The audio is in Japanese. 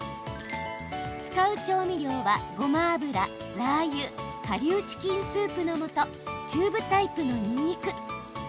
使う調味料は、ごま油、ラーユかりゅうチキンスープのもとチューブタイプのにんにく。